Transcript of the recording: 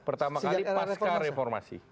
pertama kali pasca reformasi